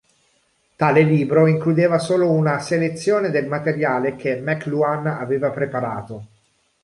Tale libro includeva solo una selezione del materiale che McLuhan aveva preparato.